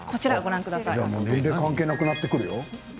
年齢関係なくなってくるよ。